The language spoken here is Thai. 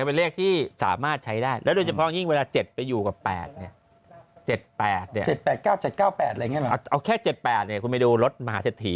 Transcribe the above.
อ้าวอีบ้าไม่เดี๋ยวฉันไปเผาศพพะไม่มีญาติ